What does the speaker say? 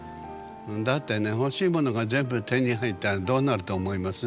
だってね欲しいものが全部手に入ったらどうなると思います？